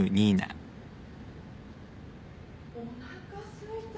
・おなかすいた。